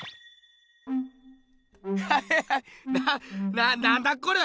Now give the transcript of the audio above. ななんだこれ？